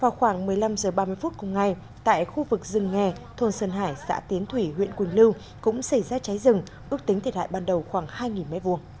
vào khoảng một mươi năm h ba mươi phút cùng ngày tại khu vực rừng nghè thôn sơn hải xã tiến thủy huyện quỳnh lưu cũng xảy ra cháy rừng ước tính thiệt hại ban đầu khoảng hai m hai